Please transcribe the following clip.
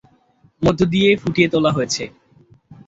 মধ্য দিয়ে ফুটিয়ে তোলা হয়েছে।